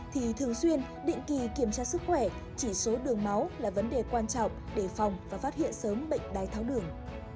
thì thường xuyên định kỳ kiểm tra sức khỏe chỉ số đường máu là vấn đề quan trọng để phòng và phát hiện sớm bệnh đái tháo đường